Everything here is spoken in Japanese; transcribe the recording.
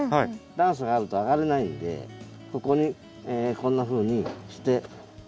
段差があると上がれないのでここにこんなふうにして。